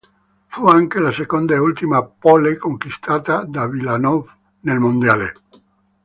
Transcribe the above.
Fu anche la seconda, e ultima, "pole" conquistata da Villeneuve nel mondiale.